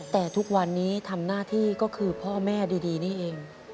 แต่ทุกวันนี้ทำหน้าที่ก็คือพ่อแม่ดีนี่เอง